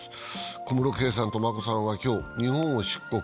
小室圭さんと眞子さんは今日、日本を出国。